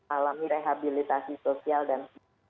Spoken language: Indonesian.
alami rehabilitasi sosial dan